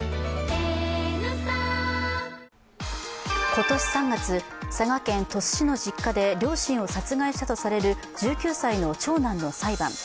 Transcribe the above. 今年３月、佐賀県鳥栖市の実家で両親を殺害したとされる１９歳の長男の裁判。